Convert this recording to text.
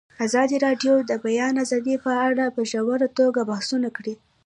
ازادي راډیو د د بیان آزادي په اړه په ژوره توګه بحثونه کړي.